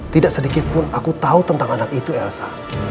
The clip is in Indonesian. tidak sedikit pun aku tahu tentang anak itu elsa